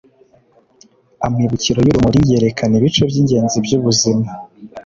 amibukiro y'urumuri yerekana ibice by’ingenzi by’ubuzima